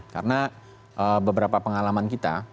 karena beberapa pengalaman kita